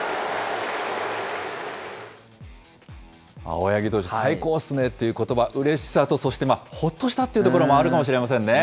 青柳投手、最高ですねということば、うれしさと、そしてほっとしたというところもあるかもしれませんね。